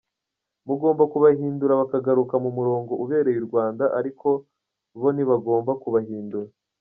Mugomba kubahindura bakagaruka mu murongo ubereye u Rwanda ariko bo ntibagomba kubahindura”.